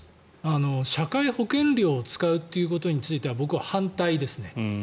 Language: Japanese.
社会保険料を使うことについて僕は反対ですね。